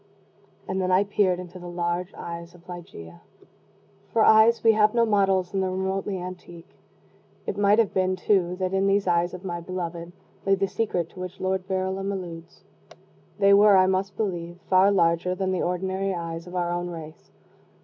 And then I peered into the large eyes of Ligeia. For eyes we have no models in the remotely antique. It might have been, too, that in these eyes of my beloved lay the secret to which Lord Verulam alludes. They were, I must believe, far larger than the ordinary eyes of our own race.